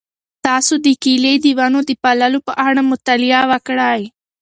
تاسو د کیلې د ونو د پاللو په اړه مطالعه وکړئ.